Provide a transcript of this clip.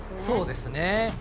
そうですね。